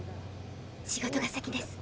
仕事が先です。